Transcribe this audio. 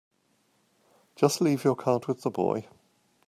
Just leave your card with the boy.